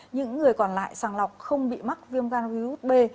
những người còn lại sàng lọc không bị mắc viêm gan virus b